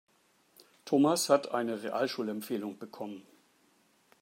Thomas hat eine Realschulempfehlung bekommen.